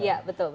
iya betul betul